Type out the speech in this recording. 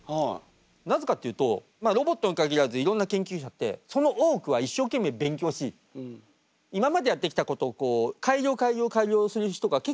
なぜかっていうとロボットに限らずいろんな研究者ってその多くは一生懸命勉強し今までやってきたことを改良改良改良する人が結構多い。